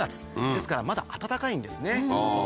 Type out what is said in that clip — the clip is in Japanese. ですからまだ暖かいんですね。